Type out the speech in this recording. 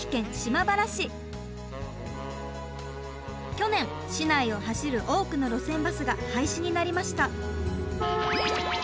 去年市内を走る多くの路線バスが廃止になりました。